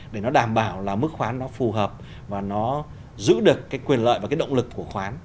để nó đảm bảo là mức khoán nó phù hợp và nó giữ được cái quyền lợi và cái động lực của khoán